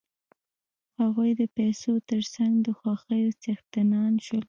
هغوی د پیسو تر څنګ د خوښیو څښتنان شول